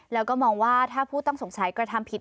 แล้วก็มองว่าถ้าผู้ต้องสงสัยกระทำผิด